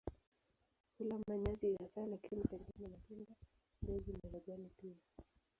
Hula manyasi hasa lakini pengine matunda, mbegu na majani pia.